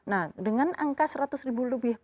nah dengan angka seratus ribu lebih